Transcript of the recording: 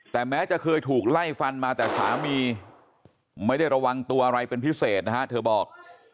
แต่แม้จะเคยถูกไล่ฟันมาแต่สามีไม่ได้ระวังตัวอะไรเป็นพิเศษนะฮะเธอบอก